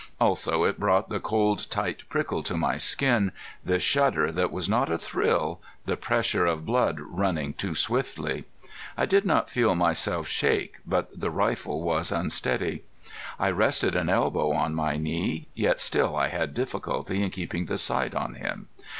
Also it brought the cold tight prickle to my skin, the shudder that was not a thrill, the pressure of blood running too swiftly, I did not feel myself shake, but the rifle was unsteady. I rested an elbow on my knee, yet still I had difficulty in keeping the sight on him.